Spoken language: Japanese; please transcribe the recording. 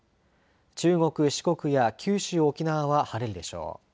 中国、四国や九州、沖縄は晴れるでしょう。